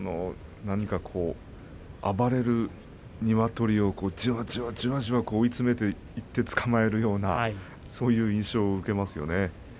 暴れる鶏をじわじわと追い詰めていってつかまえるようなそんな印象を受けますよね。